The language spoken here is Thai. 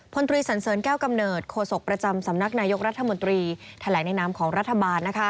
พลตรีสันเสริญแก้วกำเนิดโคศกประจำสำนักนายกรัฐมนตรีแถลงในนามของรัฐบาล